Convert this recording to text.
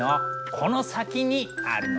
この先にあるのよ。